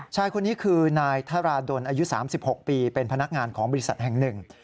ชายคนนี้คือนายธาราดลอายุ๓๖ปีเป็นพนักงานของบริษัทแห่งหนึ่ง